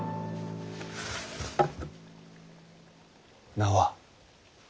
名は？